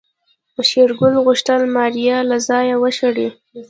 شېرګل غوښتل ماريا له ځايه وشړي.